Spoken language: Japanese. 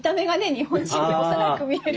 日本人幼く見えるから。